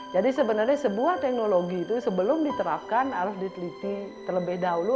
jadi sebenarnya sebuah teknologi itu sebelum diterapkan harus diteliti terlebih dahulu